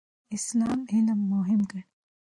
اسلام علم مهم ګڼي.